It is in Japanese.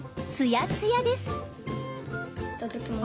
いただきます。